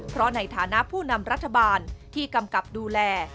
เพราะในฐานะผู้นำรัฐบาลที่กำกับดูแล